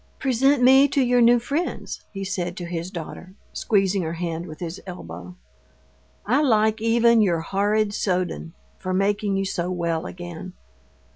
"Present me to your new friends," he said to his daughter, squeezing her hand with his elbow. "I like even your horrid Soden for making you so well again.